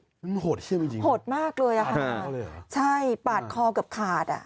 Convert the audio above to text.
นั่นมันหดเฮี่ยมจริงหดมากเลยค่ะใช่ปาดคอเกือบขาด